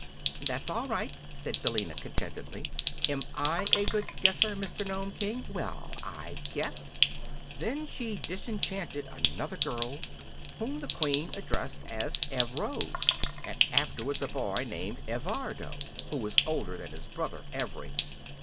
"That's all right," said Billina, contentedly. "Am I a good guesser, Mr. Nome King? Well, I guess!" Then she disenchanted another girl, whom the Queen addressed as Evrose, and afterwards a boy named Evardo, who was older than his brother Evring.